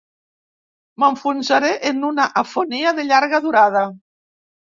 M'enfonsaré en una afonia de llarga durada.